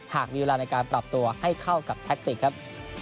หากมีเวลาในการปรับตัวให้เข้ากับแท็กติกครับ